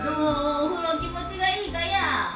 お風呂気持ちがいいかや？